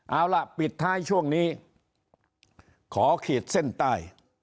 เอาล่ะปิดท้ายช่วงนี้ขอขีดเส้นใต้